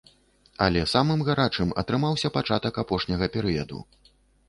Але самым гарачым атрымаўся пачатак апошняга перыяду.